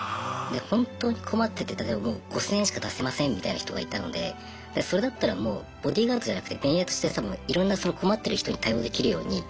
本当に困ってて例えば５，０００円しか出せませんみたいな人がいたのでそれだったらもうボディーガードじゃなくて便利屋としていろんなその困ってる人に対応できるように。